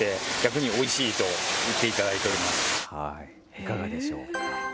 いかがでしょうか。